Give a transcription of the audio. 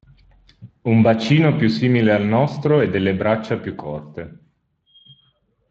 Un bacino più simile al nostro e delle braccia più corte.